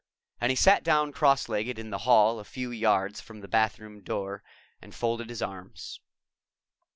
And he sat down cross legged in the hall a few yards from the bathroom door and folded his arms.